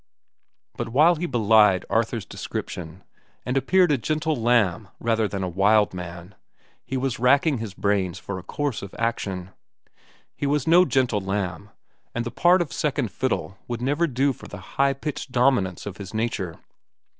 But while he belied Arthur's description, and appeared a gentle lamb rather than a wild man, he was racking his brains for a course of action. He was no gentle lamb, and the part of second fiddle would never do for the high pitched dominance of his nature.